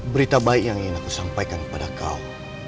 berita baik yang ingin aku sampaikan kepada kau